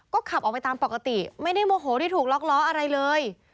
ก็ขับออกไปตามปกติไม่ได้โมโหที่ถูกล็อกล้ออะไรเลย